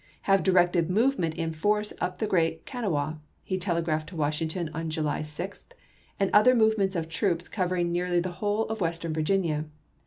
" Have di rected movement in force up the Great Kanawha," he telegraphed to Washington on July 6th, " and other movements of troops covering nearly the whole of Western Virginia.